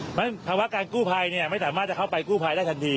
เพราะฉะนั้นภาวะการกู้ภัยไม่สามารถจะเข้าไปกู้ภัยได้ทันที